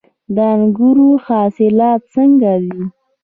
د انګورو حاصلات څنګه دي؟